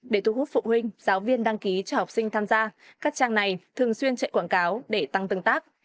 để thu hút phụ huynh giáo viên đăng ký cho học sinh tham gia các trang này thường xuyên chạy quảng cáo để tăng tương tác